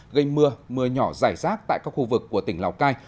gây mưa mưa nhỏ rải rác tại các khu vực của tỉnh lào cai